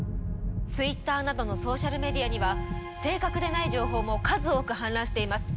ツイッターなどのソーシャルメディアには正確でない情報も数多く氾濫しています。